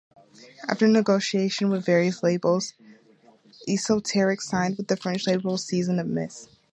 After negotiation with various labels, Esoteric signed with the French label Season of Mist.